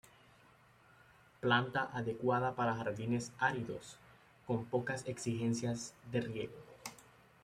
Planta adecuada para jardines áridos, con pocas exigencias de riego.